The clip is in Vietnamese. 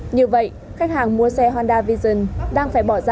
như vậy khách hàng mua xe honda vision đang phải bỏ ra